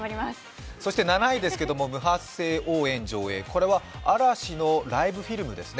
そして７位です、無発声応援上映これは嵐のライブフィルムですね。